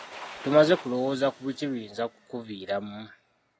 Tomaze kulowooza ku biki biyinza kukuviiramu.